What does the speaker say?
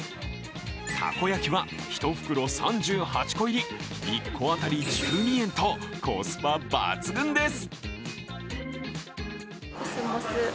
たこ焼は１袋３８個入り１個あたり１２円と、コスパ抜群です。